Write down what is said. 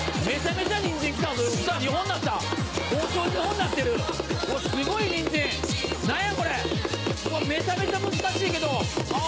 めちゃめちゃ難しいけど。